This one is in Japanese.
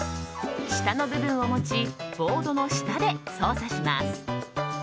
下の部分を持ちボードの下で操作します。